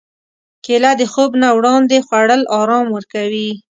کېله د خوب نه وړاندې خوړل ارام ورکوي.